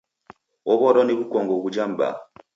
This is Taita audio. Ow'adwa ni w'ukongo ghuja m'baa.